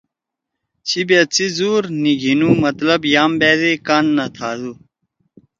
چھی بأت سی زور نی گھیِنُو، مطلب یام بأدے کان نہ تھادُو۔